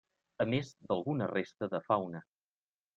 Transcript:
A més, d'alguna resta de fauna.